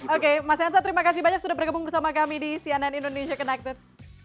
oke mas hensa terima kasih banyak sudah bergabung bersama kami di cnn indonesia connected